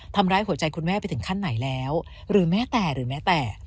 ทำร้ายหัวใจคุณแม่ไปถึงขั้นไหนแล้วหรือแม้แต่หรือแม้แต่